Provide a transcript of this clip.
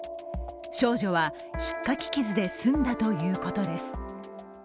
少女はひっかき傷で済んだということです。